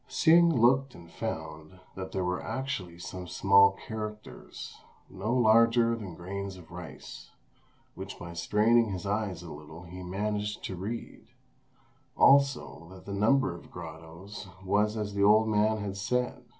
'" Hsing looked and found that there were actually some small characters, no larger than grains of rice, which by straining his eyes a little he managed to read; also, that the number of grottoes was as the old man had said.